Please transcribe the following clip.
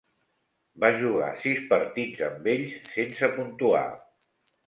Va jugar sis partits amb ells sense puntuar.